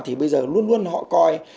thì bây giờ luôn luôn họ coi